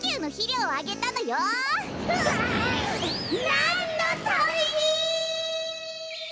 なんのために！